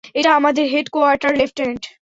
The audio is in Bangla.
এটা আমাদের হেডকোয়ার্টার, লেফটেন্যান্ট।